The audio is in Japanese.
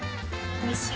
おいしい。